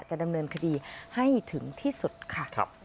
ดำเนินคดีให้ถึงที่สุดค่ะ